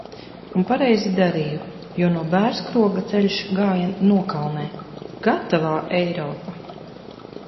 Un pareizi darīju, jo no Bērzukroga ceļš gāja nokalnē. Gatavā Eiropa!